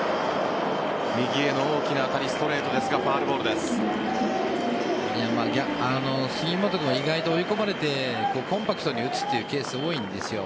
右への大きな当たりストレートですが杉本君は意外と追い込まれてコンパクトに打つというケースが多いんですよ。